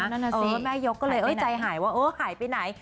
เออแม่ยกก็เลยเอ้ยใจหายว่าเออหายไปไหน